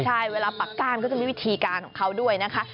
ใช่เวลาปักก้านก็จะมีวิธีการของเขาด้วยนะคะ